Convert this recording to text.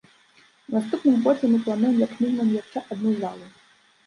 У наступным годзе мы плануем як мінімум яшчэ адну залу.